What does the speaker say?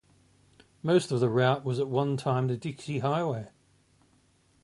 Most of the route was at one time the Dixie Highway.